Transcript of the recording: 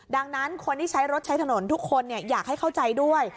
ดังนั้นคนที่ใช้รถใช้ถนนทุกคนอยากให้เข้าใจด้วย